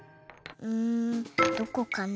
うんどこかな。